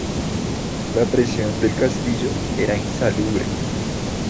La prisión del castillo era insalubre.